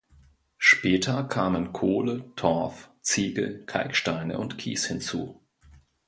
Später kamen Kohle, Torf, Ziegel, Kalksteine und Kies hinzu.